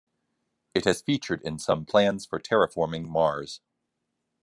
It has featured in some plans for terraforming Mars.